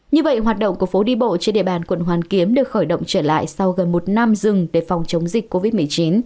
như vậy hoạt động của phố đi bộ trên địa bàn quận hoàn kiếm được khởi động trở lại sau gần một năm dừng để phòng chống dịch covid một mươi chín